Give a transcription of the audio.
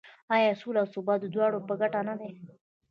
آیا سوله او ثبات د دواړو په ګټه نه دی؟